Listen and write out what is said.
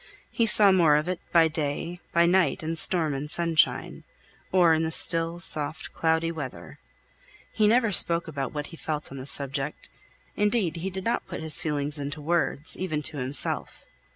He saw more of it by day, by night, in storm and sunshine, or in the still, soft, cloudy weather. He never spoke about what he felt on the subject; indeed, he did not put his feelings into words, even to himself.